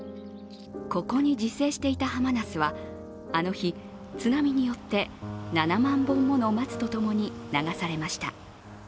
ここに自生していたハマナスはあの日、津波によって７万本もの松とともに流されました。